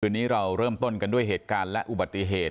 นี้เราเริ่มต้นกันด้วยเหตุการณ์และอุบัติเหตุ